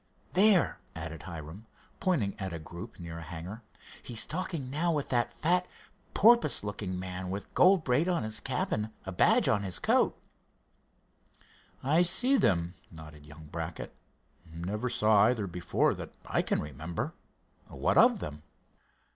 There," added Hiram, pointing at a group near a hangar, "he's talking now with that fat, porpoise looking man with gold braid on his cap and a badge on his coat." "I see them," nodded young Brackett. "Never saw either before that I can remember. What of them?"